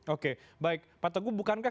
oke baik pak teguh bukankah